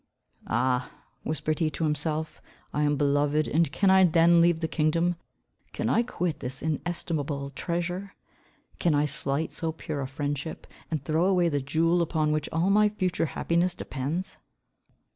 "Ah," whispered he to himself, "I am beloved, and can I then leave the kingdom? Can I quit this inestimable treasure? Can I slight so pure a friendship, and throw away the jewel upon which all my future happiness depends?"